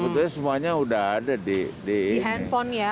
sebetulnya semuanya udah ada di handphone ya